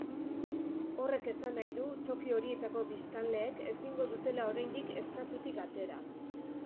Horrek esan nahi du toki horietako biztanleek ezingo dutela oraindik estatutik atera.